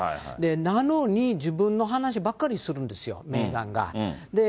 なのに、自分の話ばっかりするんですよ。